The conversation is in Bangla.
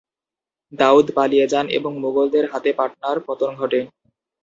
দাউদ পালিয়ে যান এবং মুগলদের হাতে পাটনার পতন ঘটে।